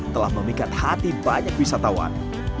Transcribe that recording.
telah memikat hati banyak wisatawan